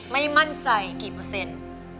ไม่มั่นใจกี่เปอร์เซ็นต์